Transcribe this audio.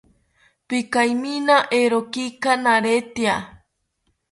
Pikaimina eerokika naretya